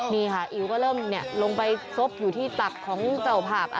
นี่ค่ะอิ๋วก็เริ่มลงไปซบอยู่ที่ตับของเจ้าภาพ